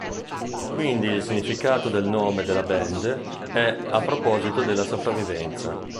Quindi il significato del nome della band è "A Proposito della Sopravvivenza".